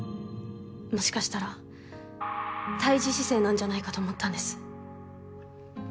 もしかしたら「胎児姿勢」なんじゃないかと思ったんです。